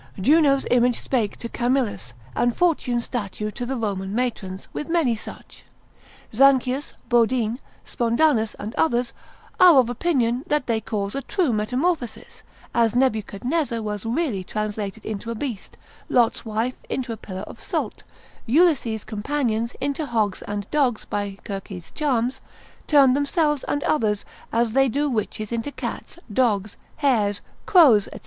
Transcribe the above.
Juno's image spake to Camillus, and Fortune's statue to the Roman matrons, with many such. Zanchius, Bodine, Spondanus, and others, are of opinion that they cause a true metamorphosis, as Nebuchadnezzar was really translated into a beast, Lot's wife into a pillar of salt; Ulysses' companions into hogs and dogs, by Circe's charms; turn themselves and others, as they do witches into cats, dogs, hares, crows, &c.